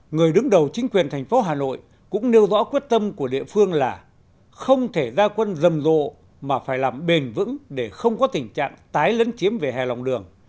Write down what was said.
người đứng đầu chính quyền thành phố hà nội cũng nêu rõ quyết tâm của địa phương là không thể ra quân rầm rộ mà phải làm bền vững để không có tình trạng tái lấn chiếm về hè lòng đường